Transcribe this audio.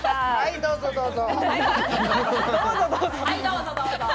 どうぞ、どうぞ。